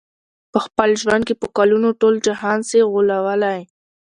په خپل ژوند کي په کلونو، ټول جهان سې غولولای